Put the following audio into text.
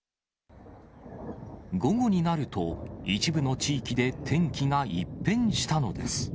午後になると、一部の地域で天気が一変したのです。